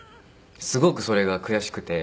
すごくそれが悔しくて。